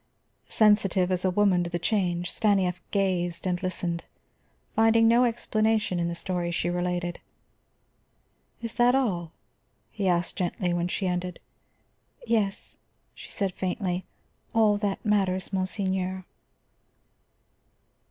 Sensitive as a woman to the change, Stanief gazed and listened, finding no explanation in the story she related. "That is all?" he asked gently, when she ended. "Yes," she said faintly. "All that matters, monseigneur."